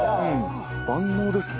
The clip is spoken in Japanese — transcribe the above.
万能ですね。